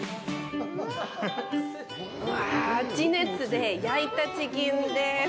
うわあ、地熱で焼いたチキンです。